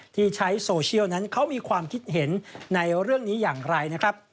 ที่ใช้โซเชียลนั้นเขามีความคิดเห็นในเรื่องนี้อย่างไรนะครับ